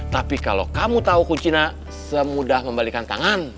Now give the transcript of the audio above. tapi kalau kamu tahu kucina semudah membalikan tangan